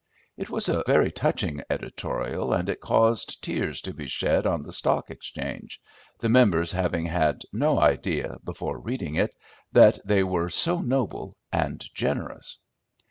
It was a very touching editorial, and it caused tears to be shed on the Stock Exchange, the members having had no idea, before reading it, that they were so noble and generous.